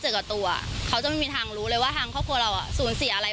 เจอกับตัวเขาจะไม่มีทางรู้เลยว่าทางครอบครัวเราอ่ะสูญเสียอะไร